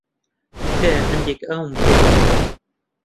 تکایە هەندێک ئاوم پێ بدە.